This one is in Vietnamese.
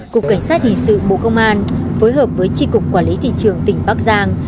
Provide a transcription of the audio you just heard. cục cảnh sát hình sự bộ công an phối hợp với tri cục quản lý thị trường tỉnh bắc giang